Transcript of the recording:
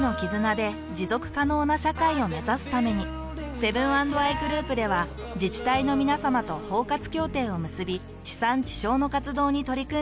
セブン＆アイグループでは自治体のみなさまと包括協定を結び地産地消の活動に取り組んでいます。